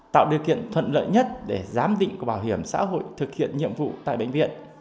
tạo điều kiện thuận lợi nhất để giám định của bảo hiểm xã hội thực hiện nhiệm vụ tại bệnh viện